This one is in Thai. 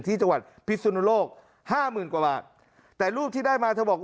ที่จังหวัดพิสุนโลกห้าหมื่นกว่าบาทแต่รูปที่ได้มาเธอบอก